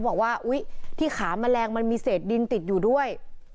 อุ๊ยที่ขาแมลงมันมีเศษดินติดอยู่ด้วย